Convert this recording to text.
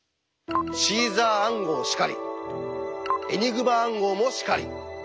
シーザー暗号しかりエニグマ暗号もしかり。